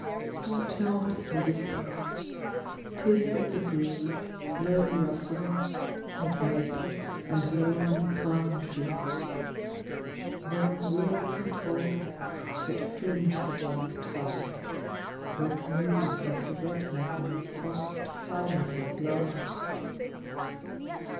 Start not at the whispering, 'tis but the breeze, Low rustling, 'mid maple and lonely pine trees, Or willows and alders that fringe the dark tide Where canoes of the red men oft silently glide.